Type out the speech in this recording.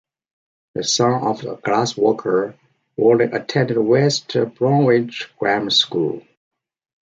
The son of a glass-worker, Walden attended West Bromwich Grammar School.